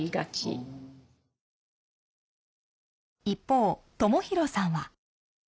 一方朝洋さんは。